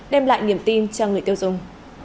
đem lại niềm tin cho người tiêu dùng